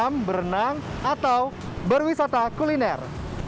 berenang atau berwisata kuliner